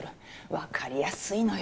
わかりやすいのよ